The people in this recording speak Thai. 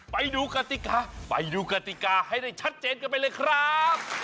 ไปดูกติกาไปดูกติกาให้ได้ชัดเจนกันไปเลยครับ